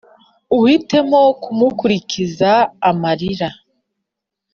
Uhitemo kumukurikiza amarira